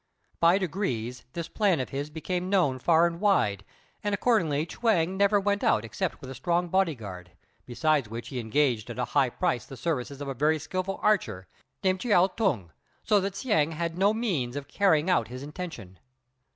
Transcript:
By degrees, this plan of his became known far and wide, and accordingly Chuang never went out except with a strong body guard, besides which he engaged at a high price the services of a very skilful archer, named Chiao T'ung, so that Hsiang had no means of carrying out his intention.